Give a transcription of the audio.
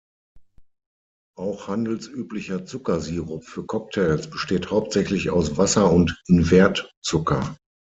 Auch handelsüblicher Zuckersirup für Cocktails besteht hauptsächlich aus Wasser und Invertzucker.